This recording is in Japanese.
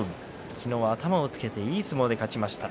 昨日は頭をつけていい相撲で勝ちました。